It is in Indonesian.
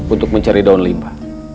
untuk mencari daun limba